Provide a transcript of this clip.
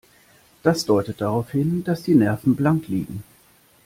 Das deutet darauf hin, dass die Nerven blank liegen.